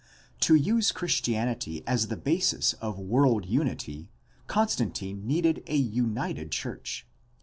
To use Christianity as the basis of world unity Constantine needed a united church.